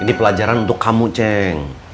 ini pelajaran untuk kamu ceng